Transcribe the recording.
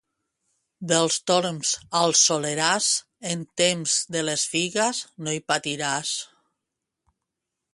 Dels Torms al Soleràs, en temps de les figues, no hi patiràs.